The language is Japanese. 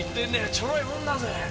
ちょろいもんだぜ。